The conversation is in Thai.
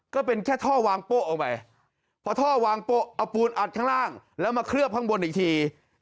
ก็เป็นแค่ท่อวางโป๊ะออกไป